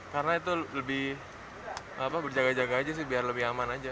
karena itu lebih berjaga jaga aja sih biar lebih aman aja